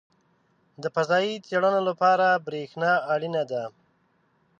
• د فضایي څېړنو لپاره برېښنا اړینه ده.